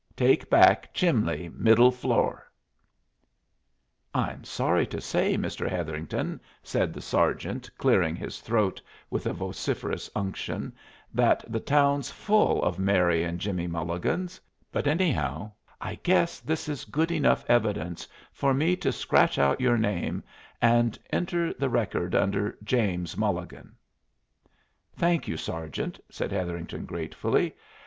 take back chimbley middel floo." "I'm sorry to say, Mr. Hetherington," said the sergeant, clearing his throat with vociferous unction, "that the town's full of Mary and Jimmie Mulligans but, anyhow, I guess this is good enough evidence for me to scratch out your name and enter the record under James Mulligan." "Thank you, sergeant," said Hetherington, gratefully.